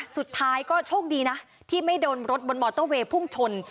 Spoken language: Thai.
สุดท้ายก็โชคดีนะที่ไม่โดนรถบนมอเตอร์เวย์พุ่งชน